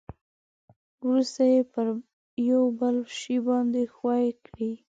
ورسته یې پر یو بل شي باندې ښوي کړئ.